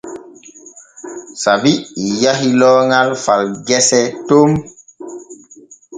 Sabi yahi looŋal far gese ton.